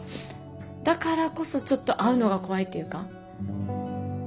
だからこそちょっと会うのが怖いっていうか。